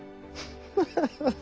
ハハハ。